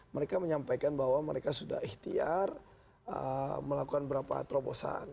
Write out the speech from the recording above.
mereka menyampaikan bahwa mereka sudah ikhtiar melakukan beberapa terobosan